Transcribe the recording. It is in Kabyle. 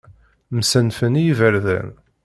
Msanfen i iberdan.